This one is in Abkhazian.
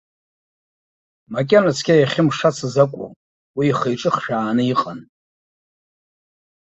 Макьана цқьа иахьымшацыз акәу, уи ихы-иҿы хшәааны иҟан.